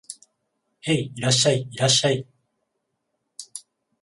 へい、いらっしゃい、いらっしゃい